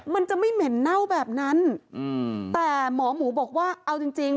มันจะไม่เหม็นเน่าแบบนั้นอืมแต่หมอหมูบอกว่าเอาจริงจริง